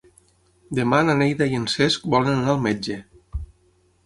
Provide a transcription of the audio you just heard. Demà na Neida i en Cesc volen anar al metge.